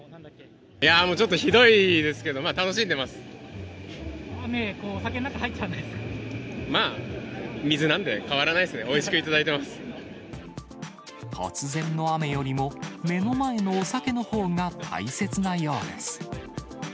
いやぁ、ちょっとひどいです雨、まあ、水なんで、変わらない突然の雨よりも、目の前のお酒のほうが大切なようです。